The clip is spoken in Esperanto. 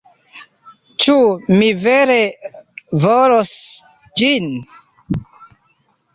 Ĉu mi vere volos ĝin?